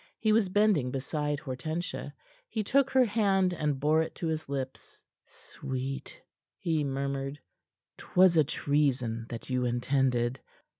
He was bending beside Hortensia. He took her hand, and bore it to his lips. "Sweet," he murmured, "'twas a treason that you intended.